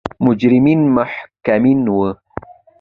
مجرمین محکومین وو.